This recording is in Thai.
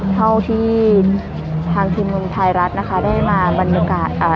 เท่าที่ทางทีมไทยรัฐนะคะได้มาบรรยากาศอ่า